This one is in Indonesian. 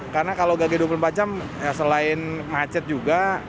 karena kalau gage dua puluh empat jam ya selain macet juga dan bisa mengganggu kita